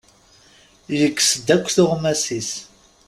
Yekkes-d akk tuɣmas-is.